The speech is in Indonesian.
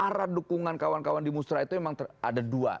arah dukungan kawan kawan di musra itu memang ada dua